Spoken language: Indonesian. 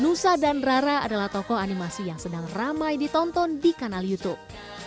nusa dan rara adalah tokoh animasi yang sedang ramai ditonton di kanal youtube